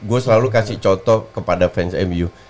gue selalu kasih contoh kepada fans mu